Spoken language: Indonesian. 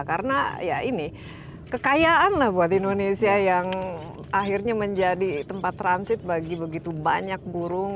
karena ya ini kekayaan lah buat indonesia yang akhirnya menjadi tempat transit bagi begitu banyak burung